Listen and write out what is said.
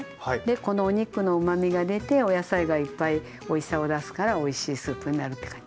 このお肉のうまみが出てお野菜がいっぱいおいしさを出すからおいしいスープになるって感じ。